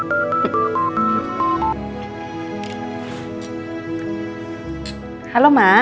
akulah kapa telfon mama dulu ya